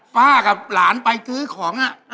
ป้ากับหลานไปซื้อของ